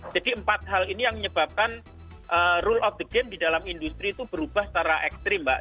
jadi empat hal ini yang menyebabkan rule of the game di dalam industri itu berubah secara ekstrim mbak